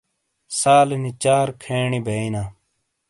سالینی چار کھینی بیئنا۔